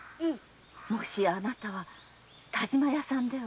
もしやあなたは田島屋さんでは？